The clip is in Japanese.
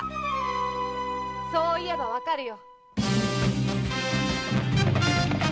そう言えばわかるよ。